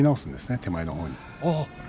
手前のほうに。